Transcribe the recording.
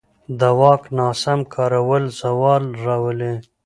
د واک ناسم کارول زوال راولي